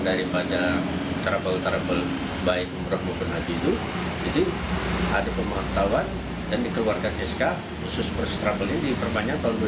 daripada travel travel baik baik saja